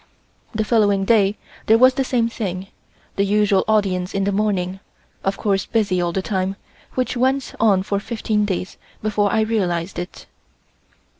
The following day there was the same thing, the usual audience in the morning, of course busy all the time, which went on for fifteen days before I realized it.